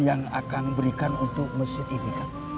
yang akan diberikan untuk mesin ini